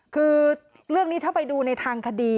คือเรื่องนี้ถ้าไปดูในทางคดี